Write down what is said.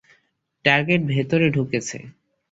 Target ভেতরে ঢুকেছে।